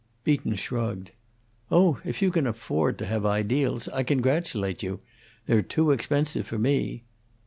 Beaton shrugged. "Oh, if you can afford to have ideals, I congratulate you. They're too expensive for me.